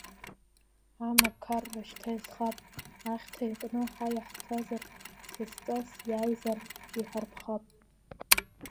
Амақарра шьҭа иазхап, ахьҭа иакны, ҳа иаҳҭазар, сасҵас иааизар иҳарԥхап.